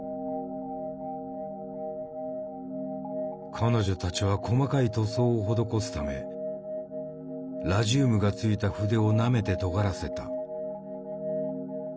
彼女たちは細かい塗装を施すためラジウムが付いた筆をなめてとがらせた。